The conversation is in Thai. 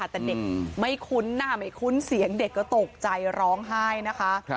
แต่เด็กไม่คุ้นหน้าไม่คุ้นเสียงเด็กก็ตกใจร้องไห้นะคะ